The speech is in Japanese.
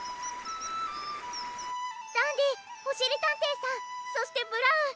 ダンディおしりたんていさんそしてブラウン。